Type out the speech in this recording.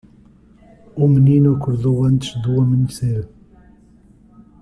O menino acordou antes do amanhecer.